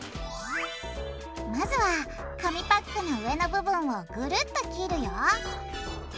まずは紙パックの上の部分をグルっと切るよ